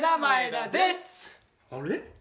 あれ？